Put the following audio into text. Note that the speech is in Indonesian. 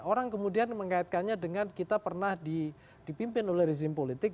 orang kemudian mengkaitkannya dengan kita pernah dipimpin oleh rezim politik